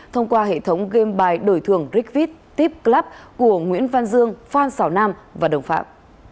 thông qua hệ thống game bài đổi thường rigvit tip club của nguyễn văn dương phan sảo nam và đồng phạm